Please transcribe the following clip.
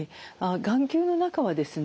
眼球の中はですね